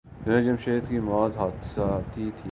جنید جمشید کی موت حادثاتی تھی۔